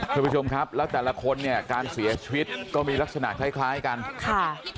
คุณผู้ชมครับแล้วแต่ละคนเนี่ยการเสียชีวิตก็มีลักษณะคล้ายคล้ายกันค่ะ